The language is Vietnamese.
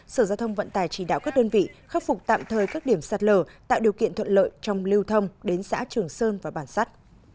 sở giao thông vận tài chỉ đạo các đơn vị khắc phục tạm thời các điểm sạt lở tạo điều kiện thuận lợi trong lưu thông đến xã trường sơn và bản sắt